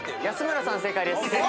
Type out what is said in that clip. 安村さん正解です。